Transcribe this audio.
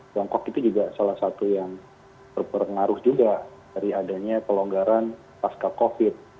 tiongkok itu juga salah satu yang berpengaruh juga dari adanya pelonggaran pasca covid